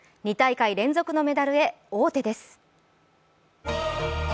２大会連続のメダルへ王手です。